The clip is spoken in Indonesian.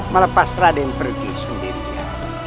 melepas raden pergi sendirinya